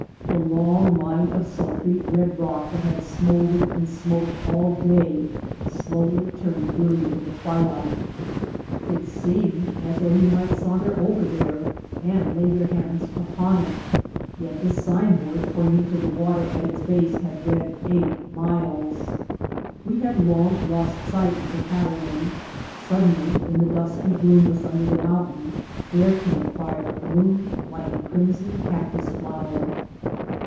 The long line of sultry red rock that had smoldered and smoked all day slowly turned blue in the twilight. It seemed as though you might saunter over there and lay your hands [•53] White Heart of Mojave upon it, yet the signboard pointing to the water at its base had read eight miles. We had long lost sight of the cattlemen. Suddenly, in the dusky blueness under the mountain, their camp fire bloomed like a crimson cactus flower.